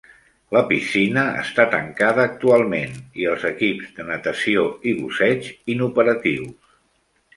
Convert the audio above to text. La piscina està tancada actualment, i els equips de natació i busseig inoperatius.